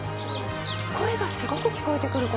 声がすごく聞こえてくる。